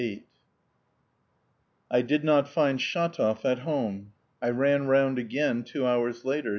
VIII I did not find Shatov at home. I ran round again, two hours later.